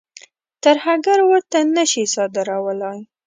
ترهګر ورته نه شي صادرولای.